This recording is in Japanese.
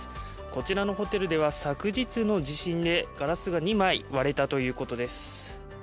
こちらのホテルでは昨日の地震でガラスが２枚、割れたということです。